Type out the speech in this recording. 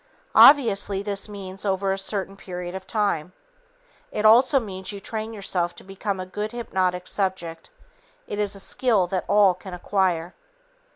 Obviously, this means over a certain period of time. It also means you train yourself to become a good hypnotic subject. It is a skill that all can acquire.